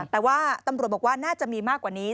แต่ว่าตำรวจบอกว่าน่าจะมีมากกว่านี้